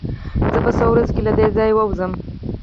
زه به په څو ورځو کې له دې ځايه ووځم.